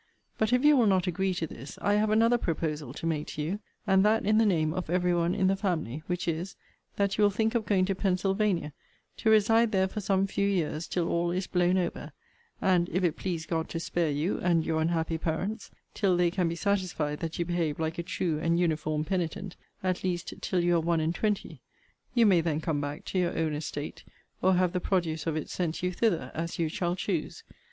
But if you will not agree to this, I have another proposal to make to you, and that in the name of every one in the family; which is, that you will think of going to Pensylvania to reside there for some few years till all is blown over: and, if it please God to spare you, and your unhappy parents, till they can be satisfied that you behave like a true and uniform penitent; at least till you are one and twenty; you may then come back to your own estate, or have the produce of it sent you thither, as you shall choose.